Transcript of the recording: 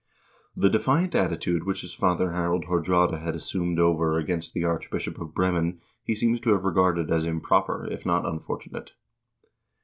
The defiant attitude which his father Harald Haardraade had assumed over against the Archbishop of Bremen he seems to have regarded as improper, if not unfortunate.